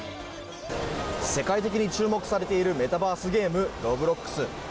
世界的に注目されてるメタバースゲームロブロックス。